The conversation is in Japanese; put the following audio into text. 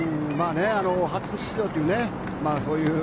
初出場という。